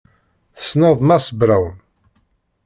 Tessneḍ Mass Braun?